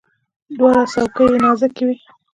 دواړه څوکي یې نازکې وي.